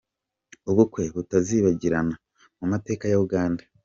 Ubukwe butazibagirana mu mateka ya Uganda.